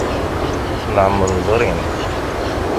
Leɛmer ẓrin.